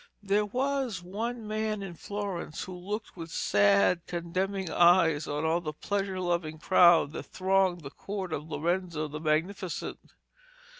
There was one man in Florence who looked with sad condemning eyes on all the pleasure loving crowd that thronged the court of Lorenzo the Magnificent.